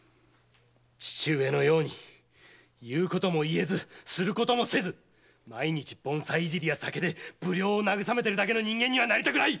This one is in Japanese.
父上のように言うことも言えずすることもせず毎日盆栽いじりや酒で無聊を慰めているだけの人間にはなりたくない！